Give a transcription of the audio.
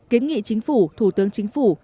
kiến nghị chính phủ thủ tướng chính phủ